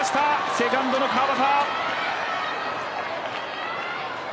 セカンドの川畑。